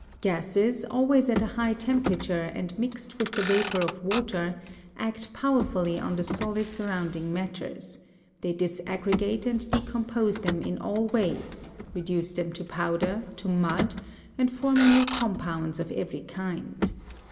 Gases, always at a high temperature and mixed with the vapour of water, act powerfully on the solid surrounding matters ; they disaggregate and decompose them in all ways, reduce them to powder, to mud, and form new compounds of every kind.